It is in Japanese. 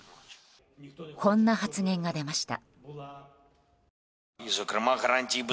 こんな発言が出ました。